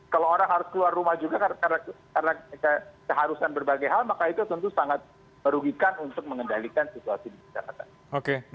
kalau orang harus keluar rumah juga karena keharusan berbagai hal maka itu tentu sangat merugikan untuk mengendalikan situasi di jakarta